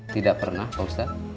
tidak pernah powesta